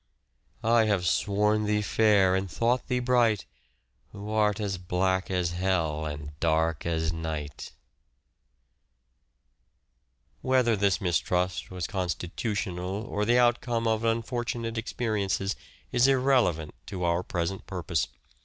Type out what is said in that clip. " I have sworn thee fair and thought thee bright, Who art as black as bell and dark as night," 130 " SHAKESPEARE " IDENTIFIED Whether this mistrust was constitutional or the outcome of unfortunate experiences is irrelevant to our present purpose.